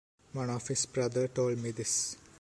One of his brother told me this.